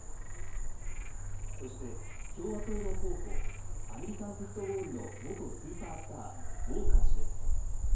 そして共和党の候補、アメリカンフットボールの元スーパースター、ウォーカー氏です。